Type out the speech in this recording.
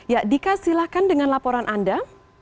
ya dika silahkan dengan laporan anda